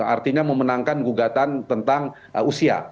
artinya memenangkan gugatan tentang usia